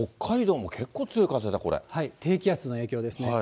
低気圧の影響ですね。